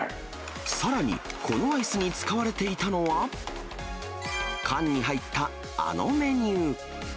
さらに、このアイスに使われていたのは、缶に入ったあのメニュー。